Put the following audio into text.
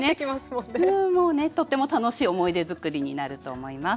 もうねとっても楽しい思い出づくりになると思います。